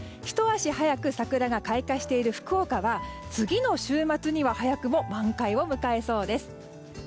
ひと足早く桜が開花している福岡は次の週末には早くも満開を迎えそうです。